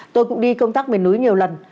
tôi cũng đi công tác mềm núi nhiều lần